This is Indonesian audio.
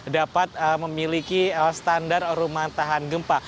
dapat memiliki standar rumah tahan gempa